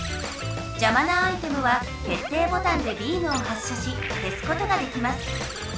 じゃまなアイテムは決定ボタンでビームを発射しけすことができます。